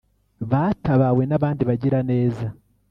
batabawe n’abandi bagiraneza